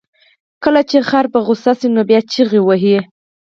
کله چې خر په غوسه شي، نو بیا چغې وهي.